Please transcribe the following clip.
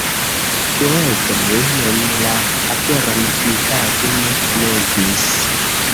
Google mem la aferon tiutage ne komentis.